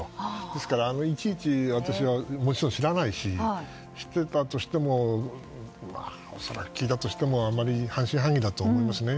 ですから、いちいち私はもちろん知らないし知ってたとしても恐らく聞いたとしてもあんまり半信半疑だと思いますね。